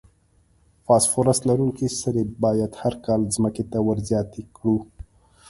فاسفورس لرونکي سرې باید هر کال ځمکې ته ور زیات کړو.